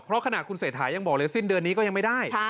เพราะขณะคุณเศรษฐายังบอกเลยสิ้นเดือนนี้ก็ยังไม่ได้